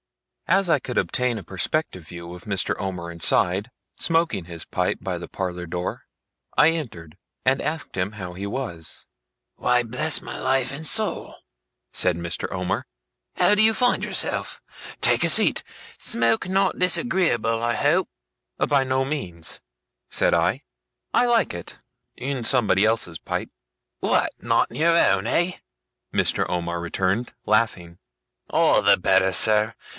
As I could obtain a perspective view of Mr. Omer inside, smoking his pipe by the parlour door, I entered, and asked him how he was. 'Why, bless my life and soul!' said Mr. Omer, 'how do you find yourself? Take a seat. Smoke not disagreeable, I hope?' 'By no means,' said I. 'I like it in somebody else's pipe.' 'What, not in your own, eh?' Mr. Omer returned, laughing. 'All the better, sir.